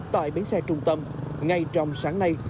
tại bến xe trung tâm ngay trong sáng nay